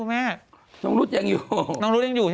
เอ้าเหรอ